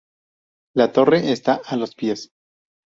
La torre está a los pies.